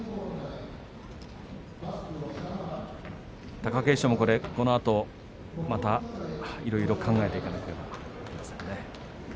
貴景勝もこのあとまたいろいろ考えていかなければいけませんね。